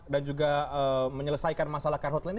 dan juga menyelesaikan masalah karhutla ini